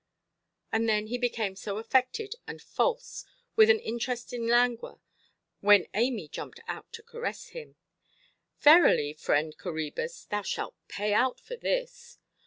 And then he became so affected and false, with an interesting languor, when Amy jumped out to caress him! Verily, friend Coræbus, thou shalt pay out for this!